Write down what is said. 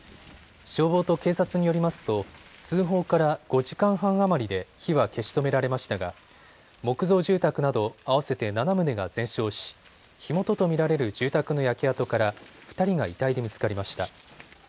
消防と警察によりますと通報から５時間半余りで火は消し止められましたが木造住宅など合わせて７棟が全焼し、火元と見られる住宅の焼け跡から２人が遺体で見つかりました。